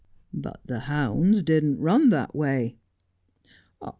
' But the hounds didn't run that way.'